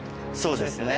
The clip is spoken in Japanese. そうですね。